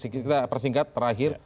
kita persingkat terakhir